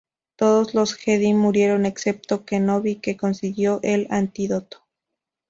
Todos los Jedi murieron excepto Kenobi, que consiguió el antídoto.